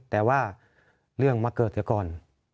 แต่ว่าเรื่องมาเกิดเสียก่อน